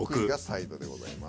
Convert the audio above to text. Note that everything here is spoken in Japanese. サイドでございます。